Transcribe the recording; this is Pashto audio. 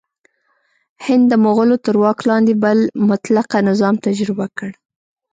هند د مغولو تر واک لاندې بل مطلقه نظام تجربه کړ.